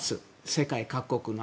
世界各国も。